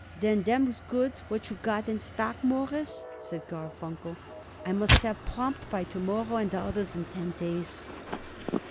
"Then, them goods what you got in stock, Mawruss," said Garfunkel, "I must have prompt by to morrow, and the others in ten days."